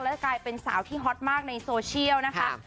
และจะกลายเป็นสาวที่ฮอตมากในโซเชียลนะคะ